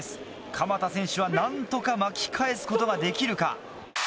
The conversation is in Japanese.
鎌田選手は何とか巻き返すことができるか？